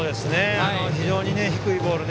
非常に低いボール。